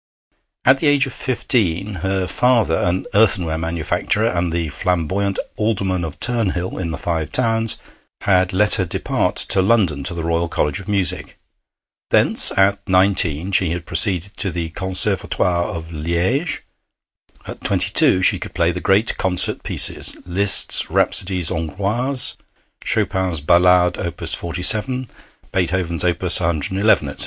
At the age of fifteen her father, an earthenware manufacturer, and the flamboyant Alderman of Turnhill, in the Five Towns, had let her depart to London to the Royal College of Music. Thence, at nineteen, she had proceeded to the Conservatoire of Liége. At twenty two she could play the great concert pieces Liszt's 'Rhapsodies Hongroises,' Chopin's Ballade, Op. 47, Beethoven's Op. 111, etc.